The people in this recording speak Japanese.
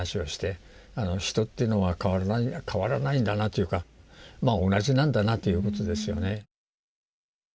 人っていうのは変わらないんだなというか同じなんだなということですよね。